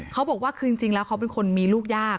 เขาบอกว่าคือจริงแล้วเขาเป็นคนมีลูกยาก